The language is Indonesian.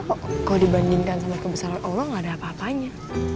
oh kalau dibandingkan sama kebesaran allah gak ada apa apanya